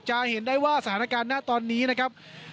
จะเห็นได้ว่าสถานการณ์ณตอนนี้นะครับ